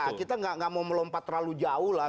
ya kita gak mau melompat terlalu jauh lah